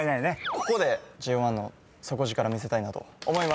ここでＪＯ１の底力見せたいなと思います。